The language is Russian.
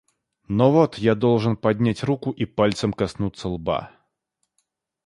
Но вот я должен поднять руку и пальцем коснуться лба.